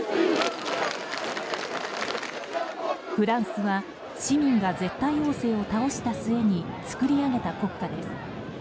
フランスは市民が絶対王政を倒した末に作り上げた国家です。